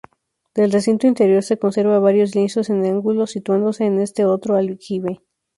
Del recinto interior se conserva varios lienzos en ángulo, situándose en este otro aljibe.